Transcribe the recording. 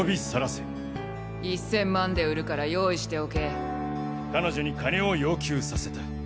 低い声で１千万で売るから用意してお彼女に金を要求させた。